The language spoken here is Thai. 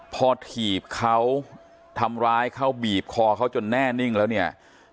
พอถีบเขาทำร้ายเขาบีบคอเขาจนแน่นิ่งแล้วเนี่ย